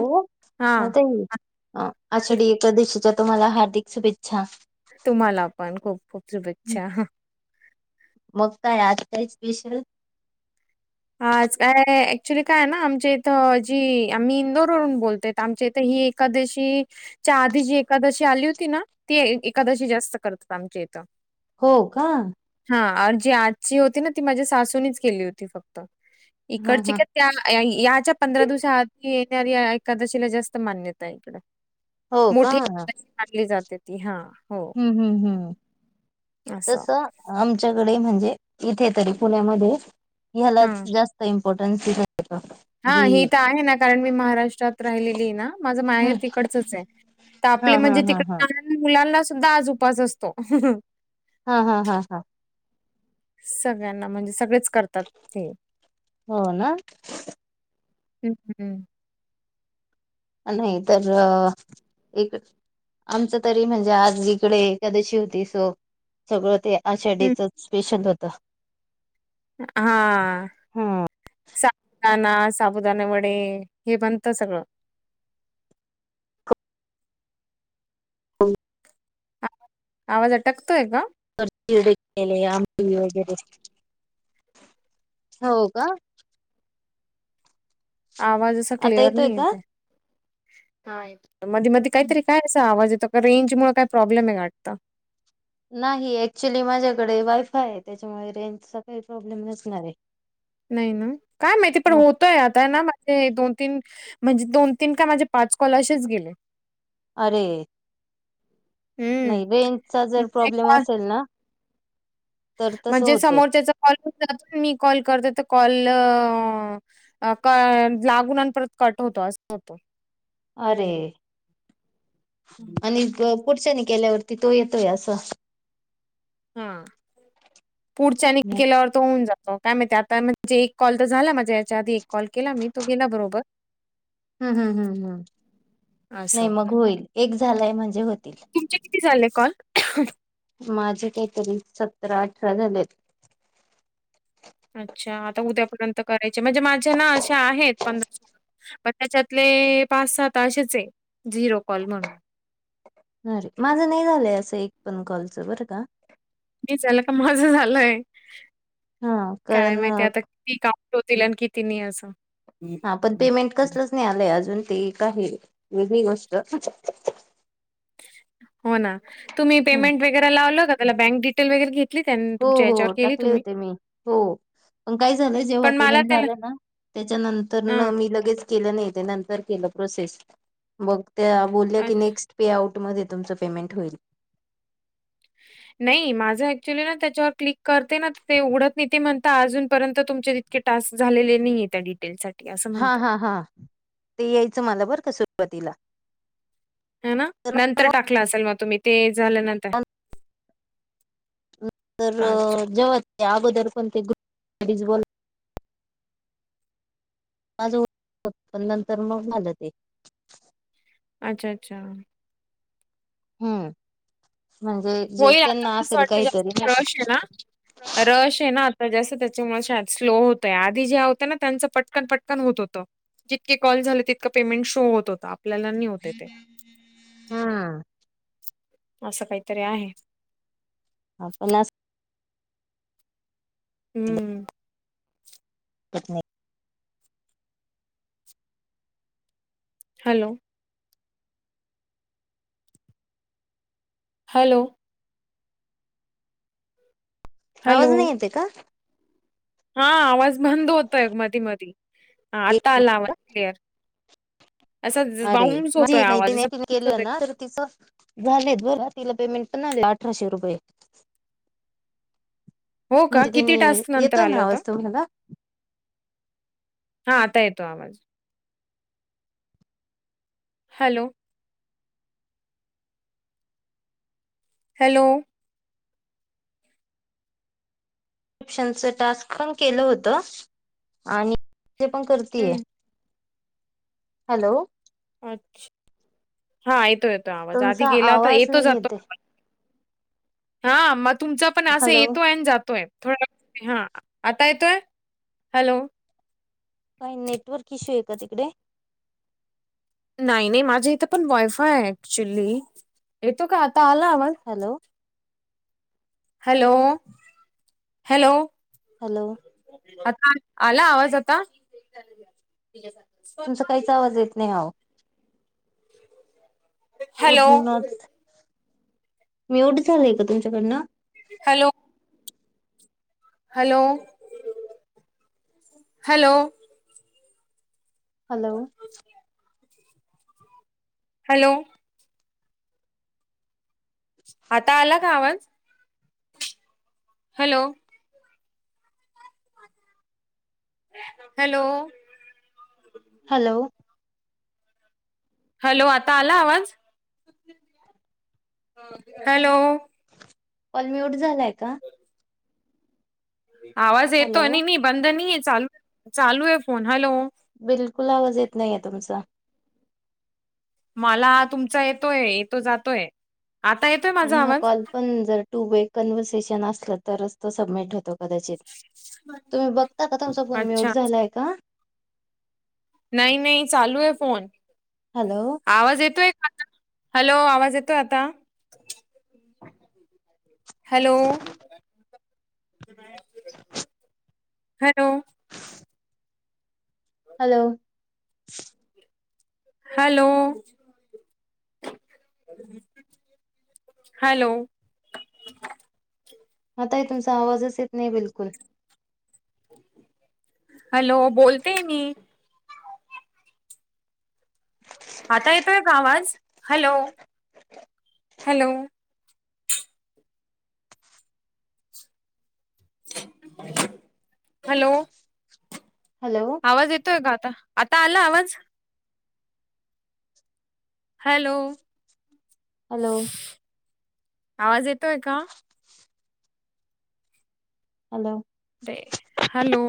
हो हां. करते मी आ आषाढी एकादशीच्या तुम्हाला हार्दिक शुभेच्छा. तुम्हाला पण खूप खूप शुभेच्छा. मग काय आज काय स्पेशल? आाज काय ऍक्च्युली काय ना आमच्या इथं जी आम्ही इंदोरवरून बोलते त आमच्या इथं ही एकादशी च्या आधी जी एकादशी आली होती ना ती ए एकादशी जास्त करतात आमच्या इथं. हो का. हा जी आजची होती ना ती माझ्या सासूननीच केली होती फक्त हा इकडची हा का याच्या पंधरा दिवसा आधी येणारी एकादशीला जास्त मान्यता इकडं. हो का. पाळली जाते ती हा हो. हम्म हम्म हम् असं. तस. आमच्याकडे म्हणजे इथे तरी पुण्यामध्ये हां. ह्यालाच जास्त इं इम्पॉर्टन्स दिला जातो. हा जी ही त आहे ना कारण मी महाराष्ट्रात राहिलेलीय ना माझं हम्म. माहेर तिकडचंचे. त हा आपली हा म्हणजे हा हा. तिकडं [unintelligible] मुलांना सुद्धा आज उपास असतो. हा हा हा हा सगळ्यांना म्हणजे सगळेच करतात ते. हो ना हम्म हम्म. अं न्हाय तर इक आमचं तरी म्हणजे आज इकडे एकादशी होती सो सगळं ते. हं. आषाढीचंच स्पेशल होतं. हा. हा. साबुदाणा, साबुदाणे वडे हे बनतं सगळं. [unintelligible] आवाज, आवाज अटकतोय का? [unintelligible] आमट वगैरे हो का आवाज असा आता क्लिअर येतोय नी का? येते. हां येत् मधी मधी काईतरी काय असा आवाज येतो का रेंज मुळं काय प्रॉब्लेमे वाटतं. नाही ऍक्च्युली माझ्याकडे वायफाये त्याच्यामुळे रेंजचा काही प्रॉब्लेम नसणारे. नाई न काय माईती पण ऊत काय आताय ना माझे दोन तीन म्हणजे दोन तीन काय माझे पाच कॉल असेच गेले. अरे नाई हं, रेंजचा जर म्हणजे प्रॉब्लेम कॉल असेल ना तर तसं म्हणजे होतय. समोरच्याचा कॉल [unintelligible] मी कॉल करते तर कॉल अ क लागून अन् परत कट होतो असं होतं. अरे अणि अ पुढच्यानि केल्यावरती तो येतोय असं. हा पुढच्यानी हम्म केल्यावर तो होऊन जातो काय माईती आता म्हणजे एक कॉल तर झाला माझ्या याच्या आधी एक कॉल केला मी तो गेला बरोबर. हम्म हम्म हम्म हम् नाई असं. मग होईल एक झालाय म्हणजे होतील. तुमचे किती झाले कॉल. माझे काईतरी सतरा अठरा झालेत. अच्छा आता उद्या पर्यंत करायचे म्हणजे माझे ना असे आहेत पंधरा सोळा, पण त्याच्यातले पाच सा त असेचे झिरो कॉल म्हणून. अरे माझं नाही झालंय असं एक पण कॉलचं बरं का. ते झाले का माझं झालंय हा काय? कारण माहिती आता. [unintelligible] तिने असं हा पण पेमेंट कसलंच नाही आलंय अजून ते काय वेगळी गोष्ट. हो ना तुम्ही पेमेंट वगैरे लावलं का? त्याला बँक डिटेल वगैरे घेत- हो हो टाकले होते. मी हो पण काय? झालं जेव्हा पण मला पेमेंट त्याला झालं ना त्याच्यानंतर न हां. मी लगेच- केलं नाही ते नंतर केलं प्रोसेस मग त्या बोलल्या की अच्छा. नेक्स- पेआउट मध्ये तुमचं पेमेंट होईल. नाही माझं ऍक्च्युअली ना त्याच्यावर क्लिक करते ना ते उघडत नाही ते म्हणता अजूनपर्यंत तुमच्यात- टास्क झालेले नाही आहे त्या डिटेल्साठी. हा हा हा ते यायचं मला बरं का सुरुवातीला. ह ना तर नंतर टाकला असेल मग तुम्ही ते झाल्यानंतर. तर अच्छा. जेव्हा ते अगोदर कोणते ग [unintelligible] माझ पण नंतर मग झालं ते. अच्छा! अच्छा! हम्म म्हणजे. जे होय आता त्यांना म असं असेल वाटतं काहीतरी जास्त नाही का. प्रवाशी आहे ना. रश आहे ना आता जसं त्याच्यामुळे श स्लो होतय आधी जे होत ना त्यांचं पटकन पटकन होत होतं. जितके कॉल झाले तितकं पेमेंट शो होत होता आपल्याला न होते ते. हम्म असं काहीतरी आहे. आपण अस- हम्म. [unintelligible] हॅलो. हॅलो. आवाज हॅलो नाही येताय का? हा आवाज बंद होतय मधी मध आता एक आला आवाज क्लिअर. असा अरे बाऊन्स होतोय माझी आवाज मैत्रीण असा आहे. बाउन्स केलं होतोय. ना तर तिचं- झालेत बरं का? तिला पेमेंट पण आला अठराशे रुपये. हो का म्हणजे तिने किती टास्क नंतर येतोय आलं ना होतं आवाज तुम्हाला. हा आता येतो आवाज. हॅलो. हॅलो. स्क्रिपशनच टास्क पण केलं होत. आणि ते पण करतीये. हम्म. हॅलो. अच्छा हा येतो येतो आवाज आधी तुमचा गेला होता आवाज येतो नाही जातो. येते हा मग तुमचा पण असं हॅलो येतोय आणि जातोय. थोड व हा आता येतोय हॅलो. काही नेटवर्क इश्यू आहे का? तिकडे. नाही नाही माझ्या इथं पण वायफाय आहे ऍक्च्युली येतो का? आता आला आवाज. हॅलो. Hello hello. हॅलो. आता आला आवाज आता. तिज्या साठीच तुमचा काहीच आवाज येत नाही अहो. वूड हॅलो, नॉट म्युट झालंय का तुमच्याकडनं? Hello. Hello hello. Hello. Hello. आता आला का आवाज हॅलो. Hello hello. हॅलो आता आला आवाज हॅलो. कॉल म्यूट झालाय का? आवाज येतो हॅलो आणि मी बंद नाही आहे चालू चालू आहे फोन हॅलो. बिलकुल आवाज येत नाहीे आता तुमचा. मला तुमचा येतोय येतो जातोय. आता येतोय माझा आणि हा आवाज कॉल पण जर टू वे कन्व्हर्सेशन असला तरच तो सबमिट होतो. कदाचित तुम्ही बघता का तुमचा फोन मुट अच्छा झालाय का? नाही नाही चालू आहे फोन. हॅलो. आवाज येतोय का आता हॅलो आवाज येतोय आता? Hello. Hello. Hello. Hello. Hello. आताही तुमचा आवाजच येत नाही बिलकुल. हॅलो बोलते मी. [unintelligible] आता येतोय का आवाज हॅलो हॅलो. हॅलो. हॅलो. आवाज येतोय का आता आता आला आवाज? हॅलो. हॅलो. आवाज येतोय का? [inaudible] हॅलो. दे हॅलो.